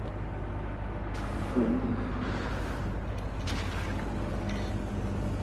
আমি সবে পদোন্নতি পেয়ে বুয়েটের ইইই ডিপার্টমেন্টে সহকারী অধ্যাপক পদে বহাল হয়েছি।